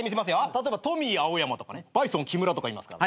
例えばトミー青山とかバイソン木村とかいますから。